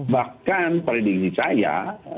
bahkan pada diri saya